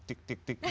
tik tik tik